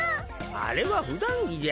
あれはふだん着じゃ。